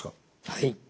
はい。